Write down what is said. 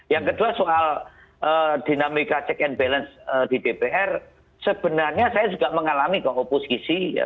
yang kedua soal dinamika check and balance di dpr sebenarnya saya juga mengalami keoposisi